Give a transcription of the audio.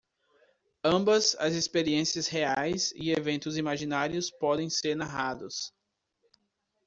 Ambas as experiências reais e eventos imaginários podem ser narrados.